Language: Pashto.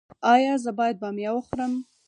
ایا زه باید بامیه وخورم؟